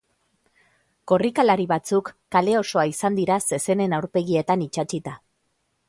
Korrikalari batzuk kale osoa izan dira zezenen aurpegietan itsatsita.